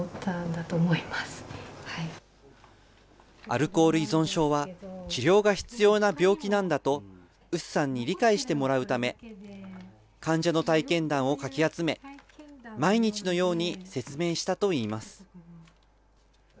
アルコール依存症は、治療が必要な病気なんだと、ＵＳＵさんに理解してもらうため、患者の体験談をかき集め、毎日のように説明したといいます。